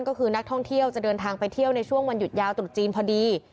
ก็คือนักท่องเที่ยวจะเดินทางไปเที่ยวในช่วงวันหยุดยาวตรุษจีนพอดี